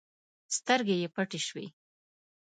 سترګې يې پټې شوې.